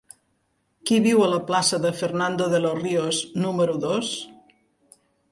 Qui viu a la plaça de Fernando de los Ríos número dos?